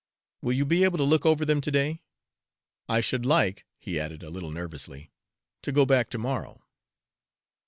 Will you be able to look over them to day? I should like," he added a little nervously, "to go back to morrow."